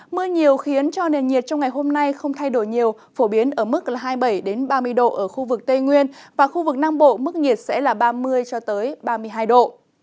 mưa nhiều khiến cho nền nhiệt trong ngày hôm nay không thay đổi nhiều phổ biến ở mức hai mươi bảy ba mươi độ ở khu vực tây nguyên và khu vực nam bộ mức nhiệt sẽ là ba mươi cho tới ba mươi hai độ